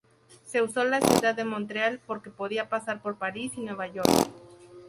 Se usó la ciudad de Montreal porque podía pasar por París y Nueva York